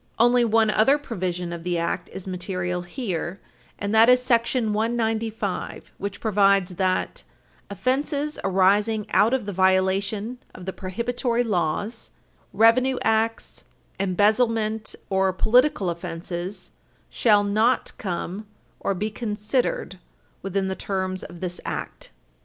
§ 174. Only one other provision of the Act is material here, and that is § 195, which provides that "offenses arising out of the violation of the prohibitory laws, revenue acts, embezzlement, or political offenses, shall not come or be considered within the terms of this Act."